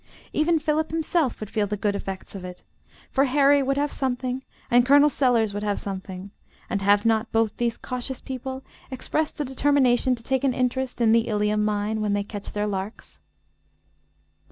Even Philip himself would feel the good effects of it; for Harry would have something and Col. Sellers would have something; and have not both these cautious people expressed a determination to take an interest in the Ilium mine when they catch their larks?